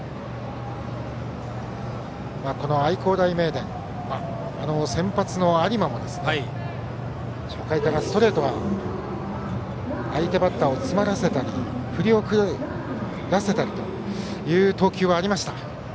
この愛工大名電は先発の有馬も初回からストレートは相手バッターを詰まらせたり振り遅らせたりという投球はありました。